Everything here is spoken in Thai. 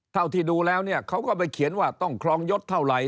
เท่าที่ดูแล้วเนี่ยเขาก็ไปเขียนว่าต้องครองยศเท่าไหร่